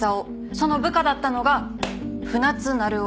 その部下だったのが船津成男。